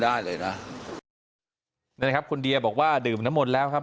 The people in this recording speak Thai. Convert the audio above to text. อ่ะอ่ะแม่น่ะครับคุณเดียบอกว่าดื่มน้ำหมดแล้วครับ